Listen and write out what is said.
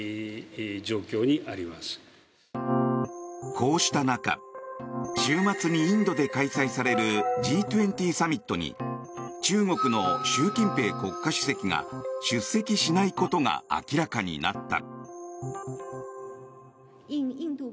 こうした中週末にインドで開催されるＧ２０サミットに中国の習近平国家主席が出席しないことが明らかになった。